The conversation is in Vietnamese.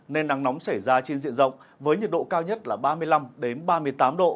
nên nắng nóng xảy ra trên diện rộng với nhiệt độ cao nhất là ba mươi năm ba mươi tám độ